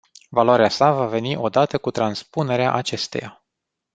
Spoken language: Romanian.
Valoarea sa va veni odată cu transpunerea acesteia.